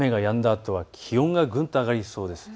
あとは気温がぐんと上がりそうです。